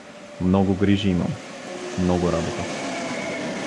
Много грижи имам, много работа.